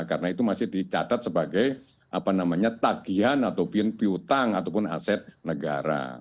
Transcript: karena itu masih dicatat sebagai tagihan atau piutang ataupun aset negara